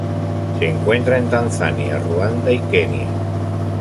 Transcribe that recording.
Se encuentra en Tanzania, Ruanda, y Kenia.